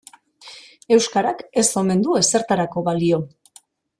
Euskarak ez omen du ezertarako balio.